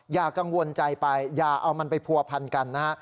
อย่ากังวลใจไปอย่าเอามันไปผัวพันกันนะฮะ